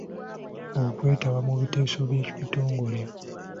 Okwetaba mu biteeso by'ekitongole.